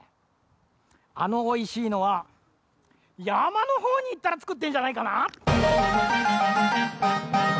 あのおいしいのはやまのほうにいったらつくってんじゃないかな。